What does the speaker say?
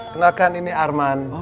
kenalkan ini arman